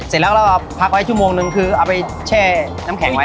เสร็จแล้วเราก็พักไว้ชั่วโมงนึงคือเอาไปแช่น้ำแข็งไว้